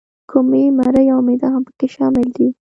کومي، مرۍ او معده هم پکې شامل دي.